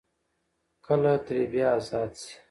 کله ترې بيا ازاد شي ـ